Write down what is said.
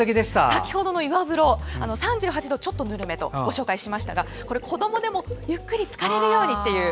先ほどの岩風呂３８度でちょっとぬるめとご紹介しましたが子どもでもゆっくりつかれるようにという